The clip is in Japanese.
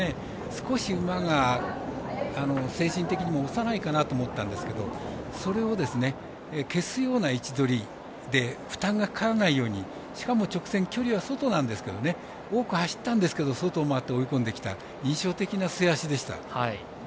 少し馬が精神的にも幼いかなと思ったんですけどそれを消すような位置取りで負担がかからないようにしかも直線、外なんですけど距離は外なんですけど多く走ったんですけど外を回って追い込んできた印象的な末脚でした。